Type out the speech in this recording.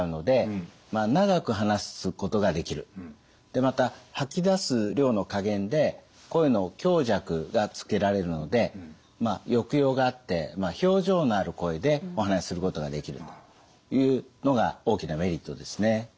でまた吐き出す量の加減で声の強弱がつけられるので抑揚があって表情のある声でお話しすることができるというのが大きなメリットですね。